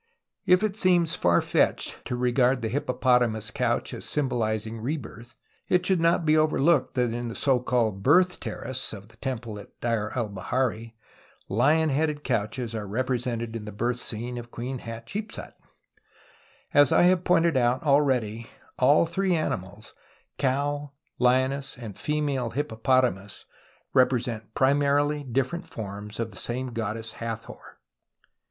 If it seems far fetched to regard the hippo potamus couch as symbolizing rebirth, it should not be overlooked that in the so called " Birth Terrace " of the temple at Deir el Bahari ^ lion headed couches are represented in the birth scene of Queen Hatshepsut, As I have pointed out already all three animals, cow, lioness, and female hippopotamus, represent primarily different forms of the same goddess Hathor.